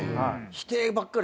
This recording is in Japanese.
否定ばっかり。